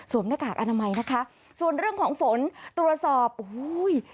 หน้ากากอนามัยนะคะส่วนเรื่องของฝนตรวจสอบโอ้โห